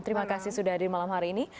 terima kasih sudah hadir malam hari ini